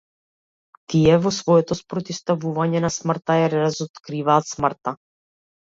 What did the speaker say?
Тие во своето спротивставување на смртта ја разоткриваат смртта.